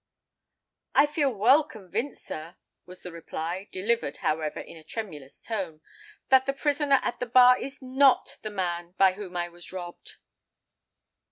"I feel well convinced, sir," was the reply, delivered, however, in a tremulous tone, "that the prisoner at the bar is not the man by whom I was robbed."